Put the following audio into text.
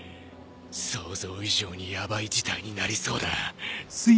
想像以上にヤバい事態になりそうだ。